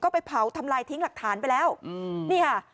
ไปเผาทำลายทิ้งหลักฐานไปแล้วอืมนี่ค่ะ